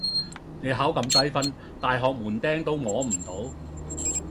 你考咁低分，大学门钉都摸唔到